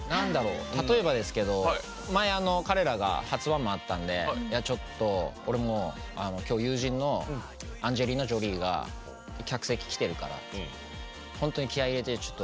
例えばですけど前、彼らが初ワンマンあったんで、俺きょう、友人のアンジェリーナ・ジョリーが客席来てるから本当に気合い入れてって。